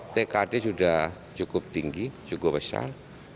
tkd sudah cukup tinggi cukup besar